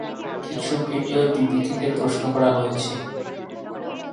কিছু ভিডিওর বিবৃতিতে প্রশ্ন করা হয়েছে।